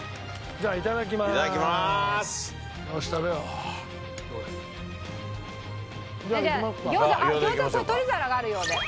じゃあ餃子餃子取り皿があるようで。